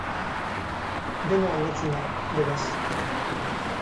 Dena aldatzen da, beraz.